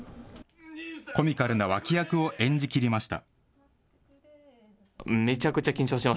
コミカルな脇役を演じきりました。